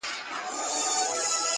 چي په سرو وینو کي اشنا وویني.